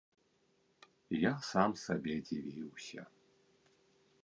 Я сам сабе дзівіўся.